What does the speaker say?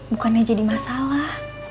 bukannya jadi masalah